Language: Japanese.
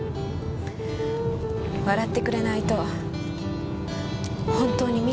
笑ってくれないと本当にみじめ。